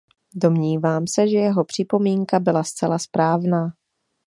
Domnívám se, že jeho připomínka byla zcela správná.